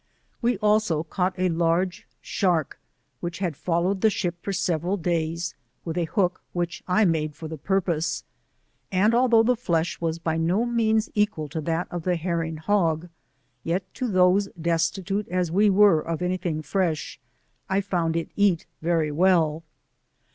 We also caught a large shark, which had followed the ship for several days with a hook which I made for the purpose, and although the flesh was by no means equal to that of the herring hog, yet to those destitute as we were of any thing fresh, I found it eat very well.